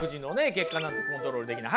結果なんてコントロールできない。